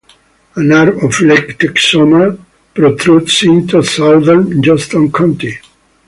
An arm of Lake Texoma protrudes into southern Johnston County.